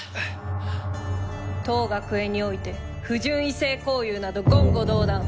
当学園において不純異性交遊など言語道断。